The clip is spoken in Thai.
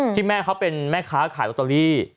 แม่เขาเป็นแม่ค้าขายลอตเตอรี่